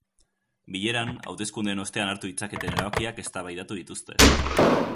Bileran, hauteskundeen ostean hartu ditzaketen erabakiak eztabaidatu dituzte.